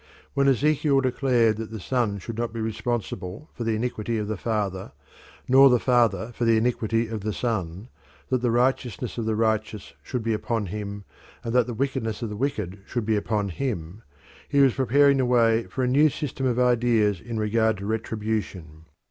When Ezekiel declared that the son should not be responsible for the iniquity of the father nor the father for the iniquity of the son, that the righteousness of the righteous should be upon him, and that the wickedness of the wicked should be upon him, he was preparing the way for a new system of ideas in regard to retribution.